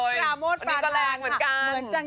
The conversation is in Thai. ที่โอ๊ตปราโมทประธานอันนี้ก็แรงเหมือนกัน